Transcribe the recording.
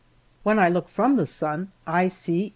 When I look from the sun, I see